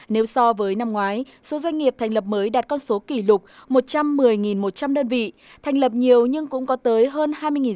nếu so với năm ngoái số doanh nghiệp thành lập mới đạt con số kỷ lục một trăm một mươi một trăm linh đơn vị thành lập nhiều nhưng cũng có tới hơn hai mươi doanh nghiệp